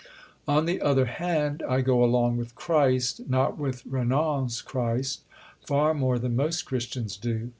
On the other hand I go along with Christ, not with Renan's Christ, far more than most Christians do.